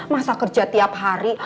masa kerja tiap hari